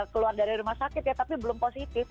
keluar dari rumah sakit ya tapi belum positif